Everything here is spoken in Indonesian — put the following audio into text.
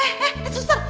eh eh eh susah